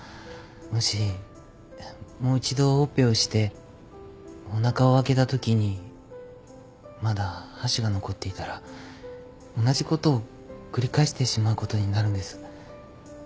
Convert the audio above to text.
もしもう一度オペをしておなかを開けたときにまだ播種が残っていたら同じことを繰り返してしまうことになるんです。